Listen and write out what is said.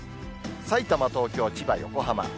さいたま、東京、千葉、横浜。